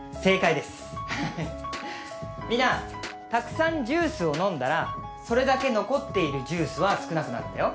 たくさんジュースを飲んだらそれだけ残っているジュースは少なくなるんだよ。